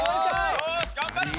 よし頑張るぞ！